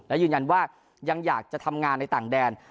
และยืนยันว่ายังอยากจะทำงานในต่างแดน